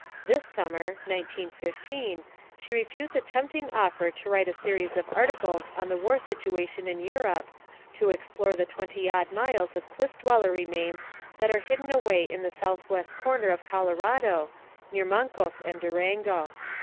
This sum mer she refused a tempting offer to write a series of articles on the war situation in Europe to explore the twenty odd miles of Cliff Dweller remains that are hidden away in the southwest corner of Colo rado, near Mancos and Durango."